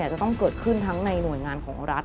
จะต้องเกิดขึ้นทั้งในหน่วยงานของรัฐ